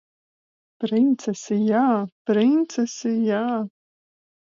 Princesi jā! Princesi jā!